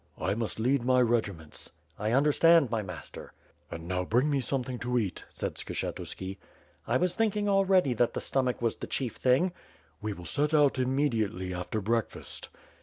"I must lead my regiments." "I understand, my master." "And now bring me something to cat," said Skshetuski. "I was thinking already that the stomach was the chief thing." "We will set out immediately after breakfast."